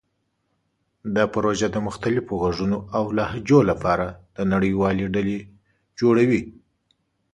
دا پروژه د مختلفو غږونو او لهجو لپاره د نړیوالې ډلې جوړوي.